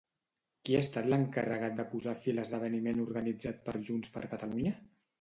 Qui ha estat l'encarregat de posar fi a l'esdeveniment organitzat per JxCat?